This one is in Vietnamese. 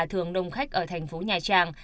thường đông khách ở thành phố nhà trang